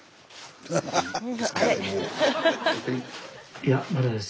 いやまだです。